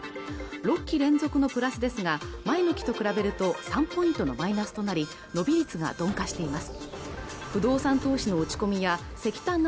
６期連続のプラスですが前向きと比べると３ポイントのマイナスとなり伸び率が鈍化しています